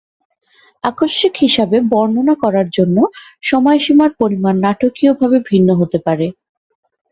আকস্মিক হিসাবে বর্ণনা করার জন্য সময়সীমার পরিমাণ নাটকীয়ভাবে ভিন্ন হতে পারে।